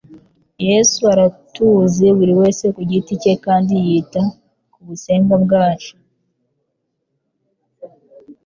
Yesu aratuzi buri wese ku giti cye kandi yita ku busembwa bwacu.